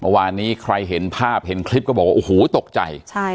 เมื่อวานนี้ใครเห็นภาพคลิปเต็มทัพบอกว่าโอโหตกใจ